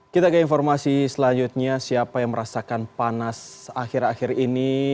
kita ke informasi selanjutnya siapa yang merasakan panas akhir akhir ini